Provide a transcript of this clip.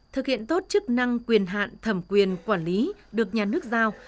thực hiện tốt chức năng quyền hạn thẩm quyền quản lý được nhà nước giao